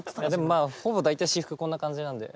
まあほぼ大体私服こんな感じなんで。